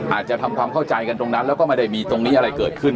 อาจจะทำความเข้าใจกันตรงนั้นแล้วก็ไม่ได้มีตรงนี้อะไรเกิดขึ้น